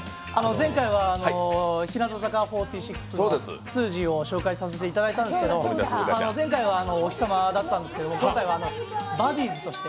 前回は日向坂４６のすーじーを紹介させていただいたんですが、前回はおひさまだったんですが今回はバディーズとして。